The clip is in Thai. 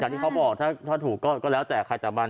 อย่างที่เขาบอกถ้าถูกก็แล้วแต่ใครจำเป็น